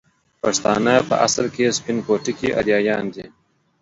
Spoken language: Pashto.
پښتانه په اصل کې سپين پوټکي اريايان دي